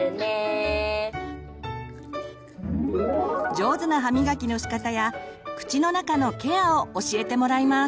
上手な歯みがきのしかたや口の中のケアを教えてもらいます。